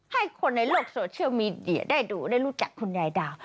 ให้คนในโลกโซเชียลมีเดียได้ดูได้รู้จักคุณยายดาว